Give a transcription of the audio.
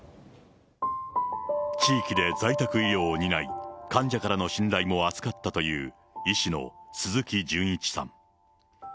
地域で在宅医療を担い、患者からの信頼も厚かったという医師の鈴木純一さん。